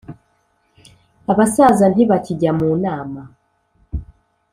Abasaza ntibakijya mu nama,